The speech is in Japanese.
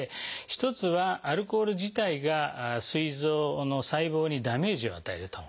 一つはアルコール自体がすい臓の細胞にダメージを与えると。